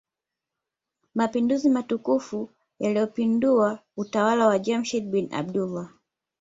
Mapinduzi matukufu yaliyopindua utawala wa Jamshid bin Abdullah